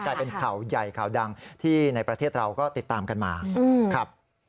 กลายเป็นข่าวใหญ่ข่าวดังที่ในประเทศเราก็ติดตามกันมาครับ